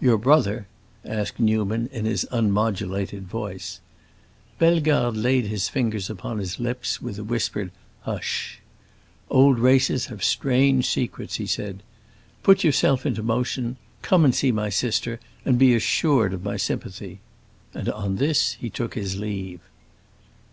"Your brother?" asked Newman, in his unmodulated voice. Bellegarde laid his fingers upon his lips with a whispered hush! "Old races have strange secrets!" he said. "Put yourself into motion, come and see my sister, and be assured of my sympathy!" And on this he took his leave.